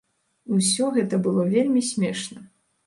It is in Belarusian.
Усё гэта было вельмі смешна.